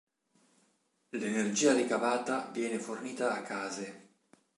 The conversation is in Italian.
L'energia ricavata viene fornita a case.